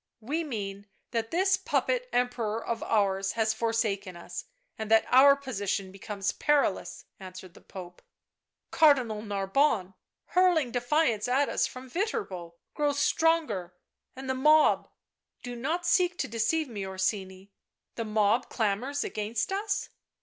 " We mean that this puppet Emperor of ours has forsaken us, and that our position becomes perilous," answered the Pope. " Cardinal Narbonne, hurling defiance at us from Yiterbo, grows stronger, and the mob — do not seek to deceive me, Orsini, the mob clamours against us